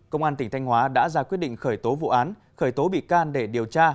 công an tỉnh thanh hóa đã ra quyết định khởi tố vụ án khởi tố bị can để điều tra